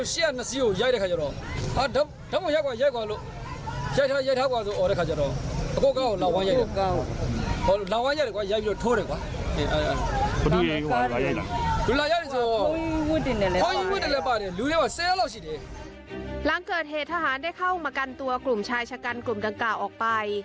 หลังเกิดเหตุทหารได้เข้ามากันตัวกลุ่มชายชะกันกลุ่มดังกล่าวออกไป